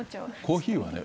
コーヒーはね